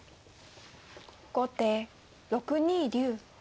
後手６二竜。